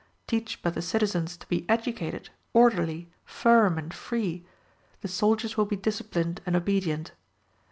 Teach but the citizens to be educated, orderly, firm, and free, the soldiers will be disciplined and obedient.